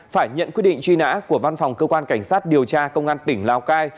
phải nhận quyết định truy nã của văn phòng cơ quan cảnh sát điều tra công an tỉnh lào cai